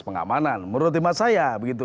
pengamanan menurut imat saya begitu